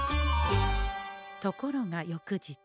ところが翌日。